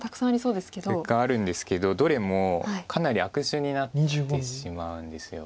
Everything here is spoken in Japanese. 結構あるんですけどどれもかなり悪手になってしまうんです。